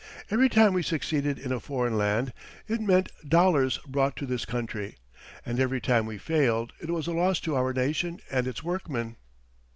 Every time we succeeded in a foreign land, it meant dollars brought to this country, and every time we failed, it was a loss to our nation and its workmen.